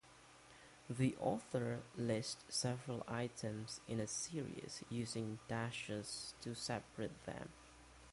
The author lists several items in a series, using dashes to separate them.